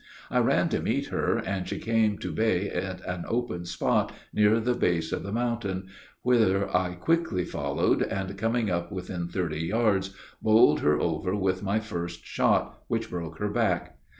I ran to meet her, and she came to bay in an open spot near the base of the mountain, whither I quickly followed, and coming up within thirty yards, bowled her over with my first shot, which broke her back.